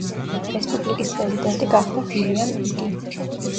რესპუბლიკის პრეზიდენტი გახდა ვილიამ იდი.